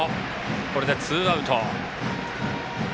これでツーアウト。